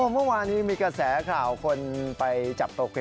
เฮ้เฮเฮ